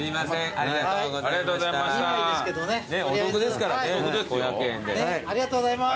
ありがとうございます。